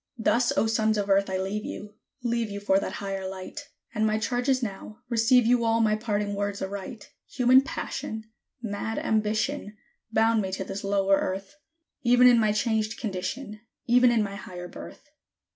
Thus, O Sons of Earth, I leave you! leave you for that higher light; And my charge is now, Receive you all my parting words aright: Human passion, mad ambition, bound me to this lower Earth, Even in my changed condition even in my higher birth.